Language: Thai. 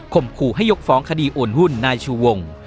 ขู่ให้ยกฟ้องคดีโอนหุ้นนายชูวง